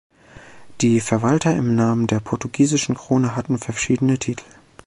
Die Verwalter im Namen der portugiesischen Krone hatten verschiedene Titel.